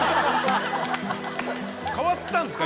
変わったんですか？